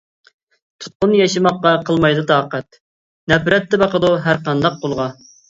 تۇتقۇن ياشىماققا قىلمايدۇ تاقەت، نەپرەتتە باقىدۇ ھەر قانداق قۇلغا.